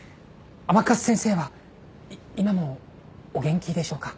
甘春先生は今もお元気でしょうか？